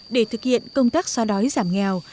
để thực hiện công tác xóa đói giảm nghèo